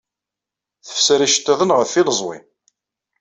Tefser iceṭṭiḍen ɣef yileẓwi.